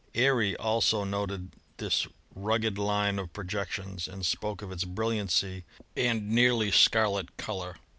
Airy also noted this rugged line of projections, and spoke of its brilliancy and "nearly scarlet" color.